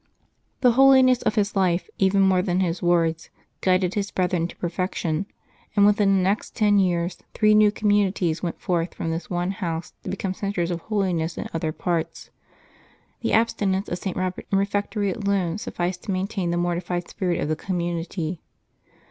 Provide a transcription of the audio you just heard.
The holiness of his life, even more than his words, guided his brethren to perfection, and within the next ten years three new communities went forth from this one house to become centres of holiness in other parts. The abstinence of St. Robert in refectory alone sufficed to maintain the mortified spirit of the community.